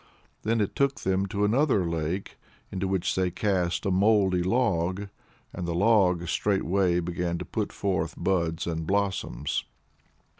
Then it took them to another lake, into which they cast a mouldy log. And the log straightway began to put forth buds and blossoms.